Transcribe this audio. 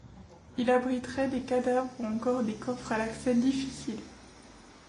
Il abriterait des cadavres ou encore des coffres à l'accès difficile.